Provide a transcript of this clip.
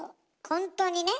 ほんとにね